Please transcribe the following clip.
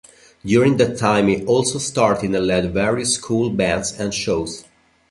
During that time he also started and led various school bands and shows.